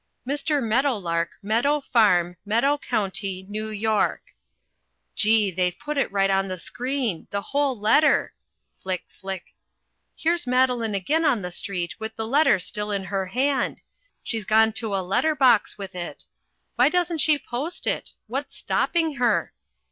Mr. Meadowlark Meadow Farm Meadow County New York Gee! They've put it right on the screen! The whole letter! Flick, flick here's Madeline again on the street with the letter still in her hand she's gone to a letter box with it why doesn't she post it? What's stopping her?